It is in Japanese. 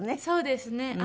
そうですね。